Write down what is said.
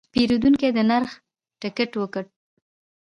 پیرودونکی د نرخ ټکټ وکت.